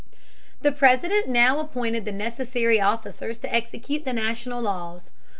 The President now appointed the necessary officers to execute the national laws.